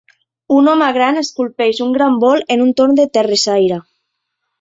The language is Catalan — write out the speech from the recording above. Un home gran esculpeix un gran bol en un torn de terrissaire.